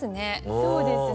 そうですよね。